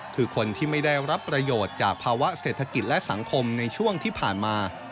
คือคนที่ไม่ได้รับประโยชน์จากภาวะเศรษฐกิจและสังคมในช่วงที่ผ่านมา